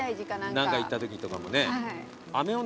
何か行ったときとかもね。